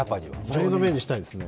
座右の銘にしたいですね。